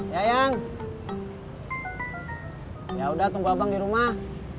yayang yaudah tunggu abang di rumah